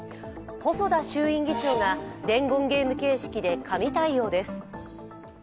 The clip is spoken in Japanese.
細田衆院議長が伝言ゲーム形式で紙対応です。